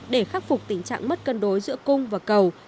để khắc phục tình trạng mất cân đối giữa cung và cầu